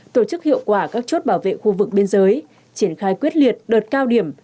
tổ chức hiệu quả các chốt bảo vệ khu vực biên giới triển khai quyết liệt đợt cao điểm